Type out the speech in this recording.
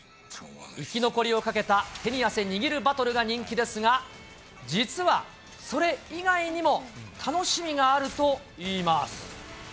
生き残りをかけた手に汗握るバトルが人気ですが、実は、それ以外にも楽しみがあるといいます。